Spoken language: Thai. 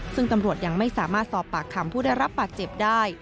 ซึ่งตำรวจยังไม่สามารถสอบปากคำผู้ได้รับบาดเจ็บได้